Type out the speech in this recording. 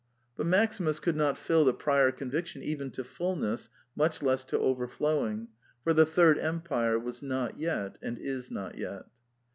But Maximus could not fill the prior conviction even to fulness, much less to overflowing; for the third empire was not yet, and is not yet.